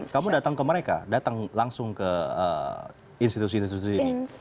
kamu datang ke mereka datang langsung ke institusi institusi ini